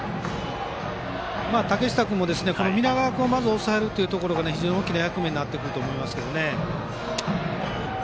竹下君も南川君を抑えることが非常に大きな役目になってくると思いますけどね。